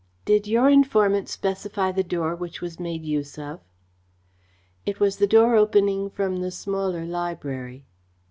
"Did your informant specify the door which was made use of?" "It was the door opening from the smaller library."